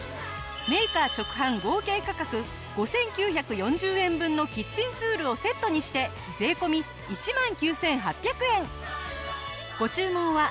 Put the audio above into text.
メーカー直販合計価格５９４０円分のキッチンツールをセットにして税込１万９８００円。